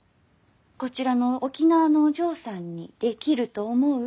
こちらの沖縄のお嬢さんにできると思う？